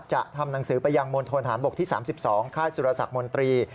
จะทำหนังสือไปยังมณฑนฐานบกที่๓๒ค่ายสุรสักมนตรี